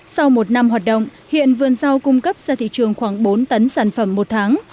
sau một năm hoạt động hiện vườn rau cung cấp ra thị trường khoảng bốn tấn sản phẩm một tháng